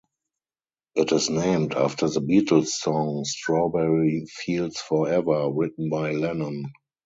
It is named after the Beatles' song "Strawberry Fields Forever" written by Lennon.